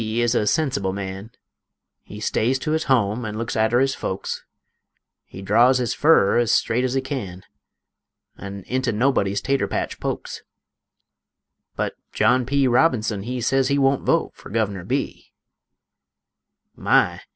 is a sensible man; He stays to his home an' looks arter his folks; He draws his furrer ez straight ez he can, An' into nobody's tater patch pokes; But John P. Robinson he Sez he wunt vote fer Guvener B. My!